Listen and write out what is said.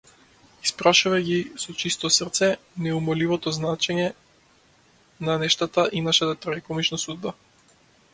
Испрашувај ги со чисто срце неумоливото значење на нештата и нашата трагикомична судба.